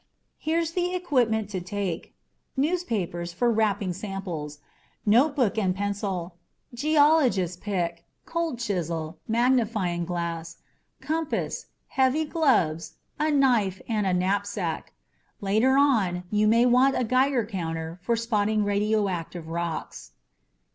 Here's the equipment to take: newspapers for wrapping samples, notebook and pencil, geologist's pick, cold chisel, magnifying glass, compass, heavy gloves, a knife, and a knapsack. Later on, you may want a Geiger counter for spotting radioactive rocks.